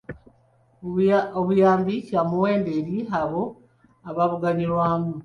Obuyambi kya muwendo eri abo ababuganyulwamu.